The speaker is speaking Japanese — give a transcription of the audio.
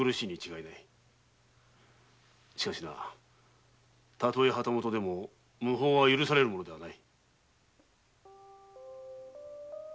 しかしなたとえ旗本でも無法は許されるものではない。